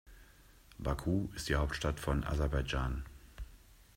Baku ist die Hauptstadt von Aserbaidschan.